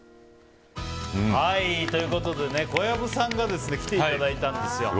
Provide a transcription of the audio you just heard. ということで小籔さんが来ていただいたんですよ。